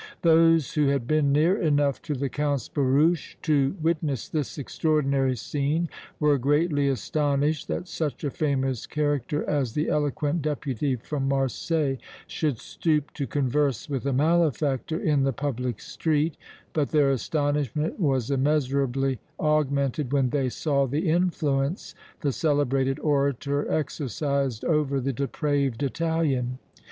Those who had been near enough to the Count's barouche to witness this extraordinary scene were greatly astonished that such a famous character as the eloquent Deputy from Marseilles should stoop to converse with a malefactor in the public street, but their astonishment was immeasurably augmented when they saw the influence the celebrated orator exercised over the depraved Italian.